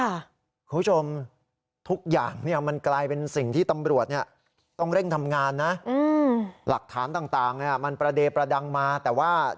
คุณผู้ชมทุกอย่างเนี่ยมันกลายเป็นสิ่งที่ตำรวจเนี่ยต้องเร่งทำงานนะ